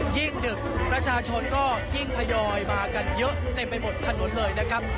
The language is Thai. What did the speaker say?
ดึกประชาชนก็ยิ่งทยอยมากันเยอะเต็มไปหมดถนนเลยนะครับ